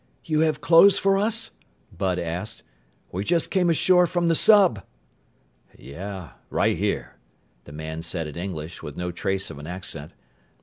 "You have clothes for us?" Bud asked. "We just came ashore from the sub!" "Yeah, right here," the man said in English with no trace of an accent.